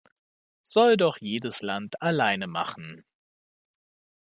Soll doch jedes Land alleine machen.